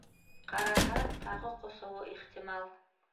Ҡараһа, тағы ҡоҫоуы ихтимал...